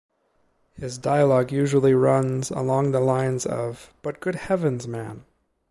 His dialog usually runs along the lines of, 'But good heavens, man!